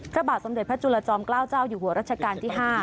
พระบาทสมเด็จพระจุลจอมเกล้าเจ้าอยู่หัวรัชกาลที่๕